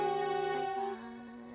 バイバイ。